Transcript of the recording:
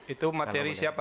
itu materi siapa